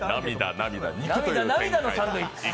涙、涙のサンドイッチ。